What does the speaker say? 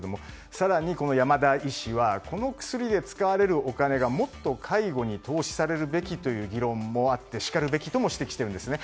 更に山田医師はこの薬で使われるお金がもっと介護に投資されるべきという議論もあって、しかるべきとも指摘しているんですね。